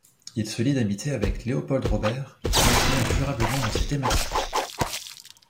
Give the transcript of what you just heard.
Il se lie d'amitié avec Léopold Robert, qui l'influence durablement dans ses thématiques.